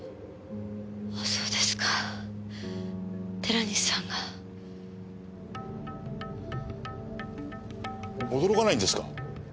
そうですか寺西さんが。驚かないんですか？